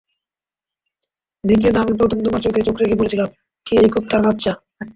দ্বিতীয়ত, আমি প্রথম তোমার চোখে চোখ রেখে বলেছিলাম কে এই কুত্তার বাচ্চা?